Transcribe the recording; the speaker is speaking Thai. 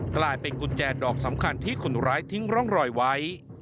กลายเป็นกุญแจดอกสำคัญที่คนร้ายทิ้งร่องรอยไว้